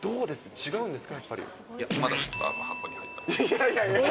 違うんですか？